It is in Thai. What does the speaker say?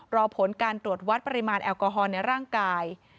รอผลการตรวจวัดปริมาณแอลกอฮอลในร่างกาย